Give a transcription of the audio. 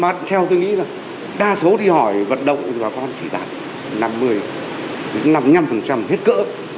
mà theo tôi nghĩ là đa số đi hỏi vận động thì họ chỉ đạt năm mươi năm mươi năm hết cỡ